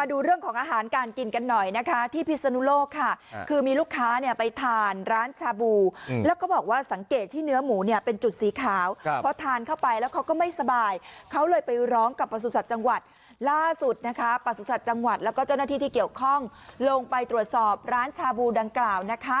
มาดูเรื่องของอาหารการกินกันหน่อยนะคะที่พิศนุโลกค่ะคือมีลูกค้าเนี่ยไปทานร้านชาบูแล้วก็บอกว่าสังเกตที่เนื้อหมูเนี่ยเป็นจุดสีขาวเพราะทานเข้าไปแล้วเขาก็ไม่สบายเขาเลยไปร้องกับประสุนสัตว์จังหวัดล่าสุดนะคะประสุนสัตว์จังหวัดแล้วก็เจ้าหน้าที่ที่เกี่ยวข้องลงไปตรวจสอบร้านชาบูดังกล่าวนะคะ